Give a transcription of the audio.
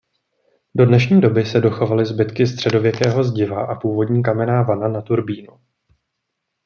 Do dnešní doby se dochovaly zbytky středověkého zdiva a původní kamenná vana na turbínu.